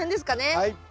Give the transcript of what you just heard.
はい。